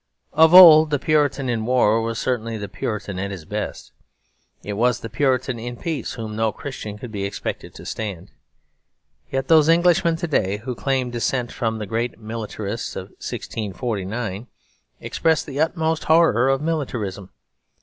Of old the Puritan in war was certainly the Puritan at his best; it was the Puritan in peace whom no Christian could be expected to stand. Yet those Englishmen to day who claim descent from the great militarists of 1649 express the utmost horror of militarism.